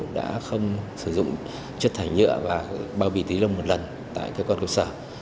đã không sử dụng chất thải nhựa và bao bì tí lông một lần tại cơ quan công sở